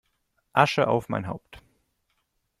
Asche auf mein Haupt!